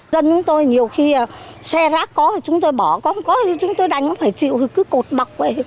dân chúng tôi nhiều khi xe rác có thì chúng tôi bỏ có không có thì chúng tôi đánh không phải chịu thì cứ cột bọc về